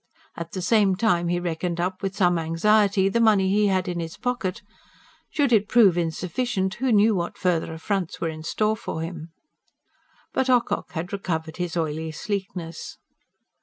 At the same time he reckoned up, with some anxiety, the money he had in his pocket. Should it prove insufficient, who knew what further affronts were in store for him. But Ocock had recovered his oily sleekness.